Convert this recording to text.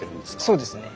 そうですね。